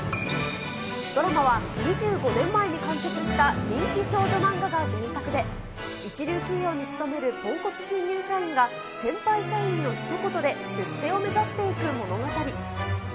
ドラマは２５年前に完結した人気少女漫画が原作で、一流企業に勤めるポンコツ新入社員が先輩社員のひと言で出世を目指していく物語。